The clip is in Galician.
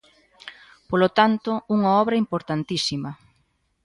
Polo tanto, unha obra importantísima.